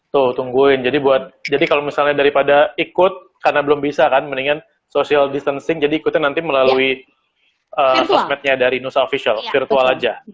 tuh tungguin jadi buat jadi kalau misalnya daripada ikut karena belum bisa kan mendingan social distancing jadi ikutin nanti melalui sosmednya dari nusa official virtual aja